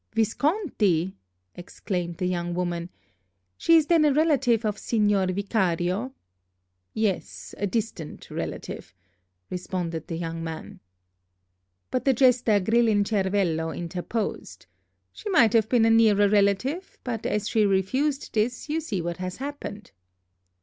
"Visconti!" exclaimed the young woman. "She is then a relative of Signor Vicario?" "Yes, a distant relative," responded the young man. But the jester Grillincervello interposed: "She might have been a nearer relative, but as she refused this, you see what has happened."